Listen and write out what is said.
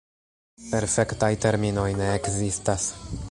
Perfektaj terminoj ne ekzistas.